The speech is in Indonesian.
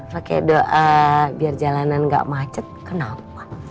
pakai doa biar jalanan gak macet kenapa